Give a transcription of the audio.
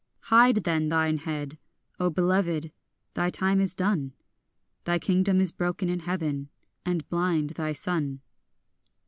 Hide then thine head, O belovèd; thy time is done; Thy kingdom is broken in heaven, and blind thy sun.